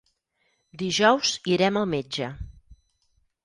Dijous irem al metge.